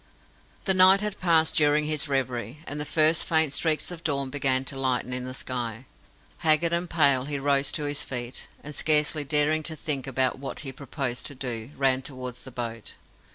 The night had passed during his reverie, and the first faint streaks of dawn began to lighten in the sky. Haggard and pale, he rose to his feet, and scarcely daring to think about what he proposed to do, ran towards the boat.